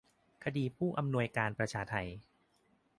คดีผู้อำนวยการประชาไท